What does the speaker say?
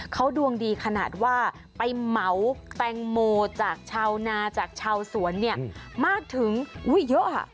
เขาดวงดีขนาดว่าไปเหมาแตงโมจากชาวนาจากชาวสวนเนี่ยมากถึงเยอะ